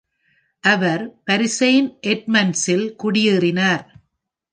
அவர் Bury Saint எட்மண்ட்ஸில் குடியேறினார்.